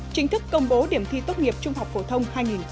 chính thức công bố điểm thi tốt nghiệp trung học phổ thông hai nghìn hai mươi